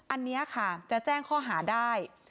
อันนี้ค่ะจะแจ้งข้อหาได้